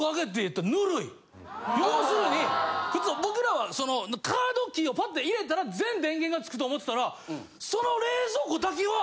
要するに普通僕らはカードキーをパッて入れたら全電源がつくと思ってたらその。